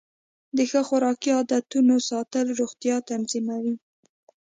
د ښه خوراکي عادتونو ساتل روغتیا تضمینوي.